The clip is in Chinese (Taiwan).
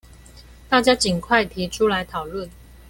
大家儘快提出來討論